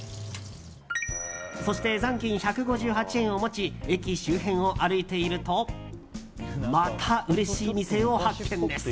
そして残金１５８円を持ち駅周辺を歩いているとまたうれしい店を発見です。